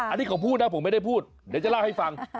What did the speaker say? อันนี้เขาพูดนะผมไม่ได้พูดเดี๋ยวจะเล่าให้ฟัง